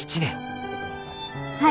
はい。